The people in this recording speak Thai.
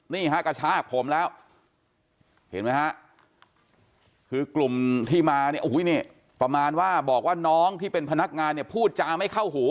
นี่ฮะกระชากผมแล้วเห็นไหมฮะคือกลุ่มที่มาเนี่ยโอ้โหนี่ประมาณว่าบอกว่าน้องที่เป็นพนักงานเนี่ยพูดจาไม่เข้าหู